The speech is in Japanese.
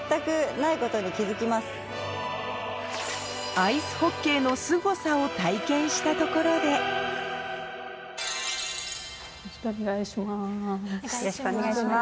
アイスホッケーのすごさを体験したところでよろしくお願いします。